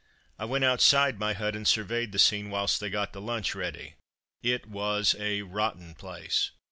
I went outside my hut and surveyed the scene whilst they got the lunch ready. It was a rotten place.